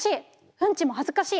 うんちも恥ずかしい。